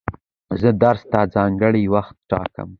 زه درس ته ځانګړی وخت ټاکم.